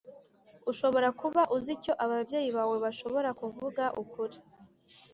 Ushobora kuba uzi icyo ababyeyi bawe bashobora kuvuga ukuri